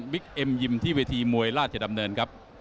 เอ็มยิมที่เวทีมวยราชดำเนินครับ